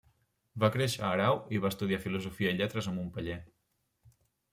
Va créixer a Erau i va estudiar Filosofia i Lletres Montpeller.